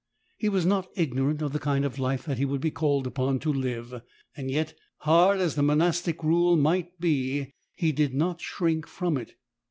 He was not ignorant of the kind of life that he would be called upon to live : yet hard as the monastic rule might be he did not shrink from it.